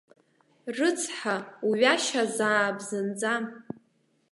Рыцҳа, уҩашьазаап зынӡа.